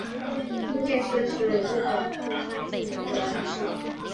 冰见市是日本富山县的一个城市。